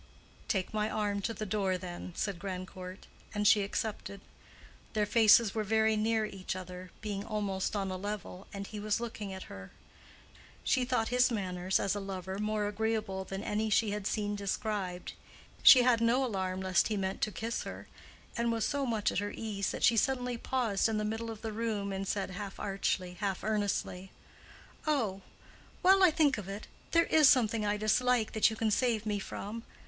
"Take my arm to the door, then," said Grandcourt, and she accepted. Their faces were very near each other, being almost on a level, and he was looking at her. She thought his manners as a lover more agreeable than any she had seen described. She had no alarm lest he meant to kiss her, and was so much at her ease, that she suddenly paused in the middle of the room and said half archly, half earnestly, "Oh, while I think of it—there is something I dislike that you can save me from.